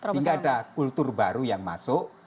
sehingga ada kultur baru yang masuk